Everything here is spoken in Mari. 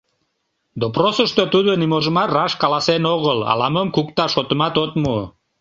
— Допросышто тудо ниможымат раш каласен огыл, ала-мом кукта — шотымат от му.